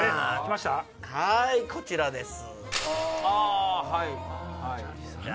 はいこちらです。